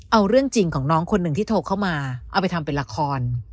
เอาเรื่องจริงของน้องคนหนึ่งที่โทรเข้ามาเอาไปทำเป็นละคร